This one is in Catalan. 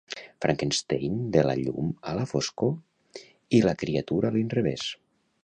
Frankenstein de la llum a la foscor i la criatura a l'inrevés.